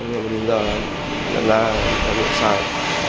nhưng mà bây giờ nhận ra là đúng